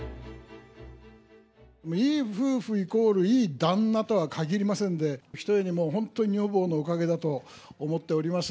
いい夫婦イコールいい旦那とはかぎりませんで、ひとえにもう、本当に女房のおかげだと思っております。